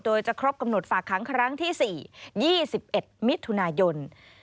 โดยจะครบกำหนดฝากค้างครั้งที่๔๒๑มิถุนายน